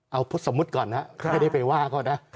เอาสมมุติก่อนนะไม่ได้ไปว่าเขานะ